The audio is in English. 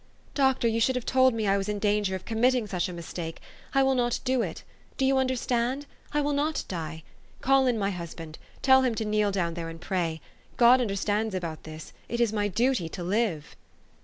Doctor, 3^ou should have told me I was in danger of committing such a mistake. I will not do it. Do you understand ? I will not die ! Call in my hus band. Tell him to kneel down there and pray. God understands about this. It is my duty to live."